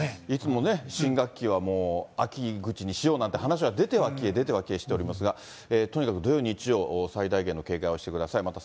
いつもね、新学期は秋口にしようなんていう話が、出ては消え、出ては消えしておりますが、とにかく土曜、日曜、最大限の警戒をしてください。